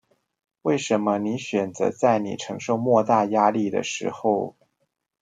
為什麼你選擇在你承受莫大壓力的時候